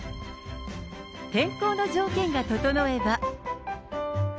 天候の条件が整えば。